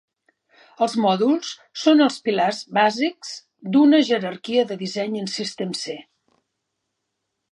Els mòduls són els pilars bàsics d'una jerarquia de disseny en SystemC.